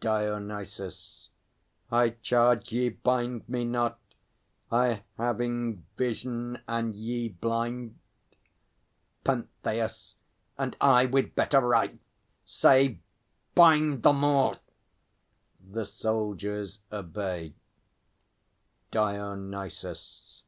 _ DIONYSUS. I charge ye, bind Me not! I having vision and ye blind! PENTHEUS. And I, with better right, say bind the more! [The soldiers obey. DIONYSUS.